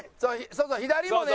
そうそう左もね。